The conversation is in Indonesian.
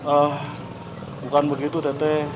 eh bukan begitu tete